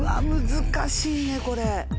難しいねこれ。